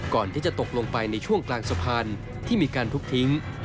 ก่อนที่จะตกลงไปในช่วงกลางสะพานที่มีการพลุกทิ้ง